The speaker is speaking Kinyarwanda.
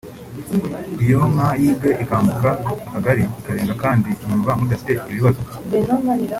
iyo inka yibwe ikambuka Akagari ikarenga akandi mwumva mudafite ibibazo